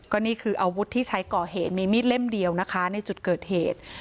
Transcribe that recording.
ก็นี่คืออาวุธที่ใช้ก่อเหตุมีมีดเล่มเดียวนะคะในจุดเกิดเหตุ